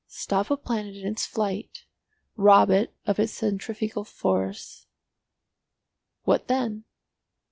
"Stop a planet in its flight, rob it of its centrifugal force, what then?